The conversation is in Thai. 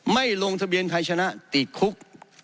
ลงทะเบียนใครชนะติดคุก